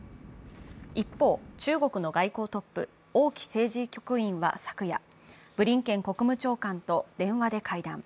一方、中国の外交トップ、王毅政治局員は昨夜、ブリンケン国務長官と電話で会談。